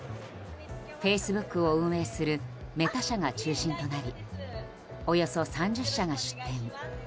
フェイスブックを運営するメタ社が中心となりおよそ３０社が出展。